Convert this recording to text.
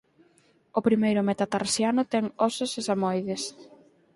O primeiro metatarsiano ten ósos sesamoides.